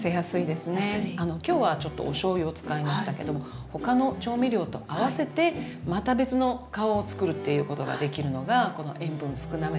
今日はちょっとおしょうゆを使いましたけども他の調味料と合わせてまた別の顔をつくるっていうことができるのがこの塩分少なめの特徴だと思います。